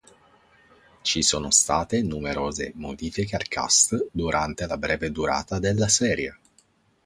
Ci sono state numerose modifiche al cast durante la breve durata della serie.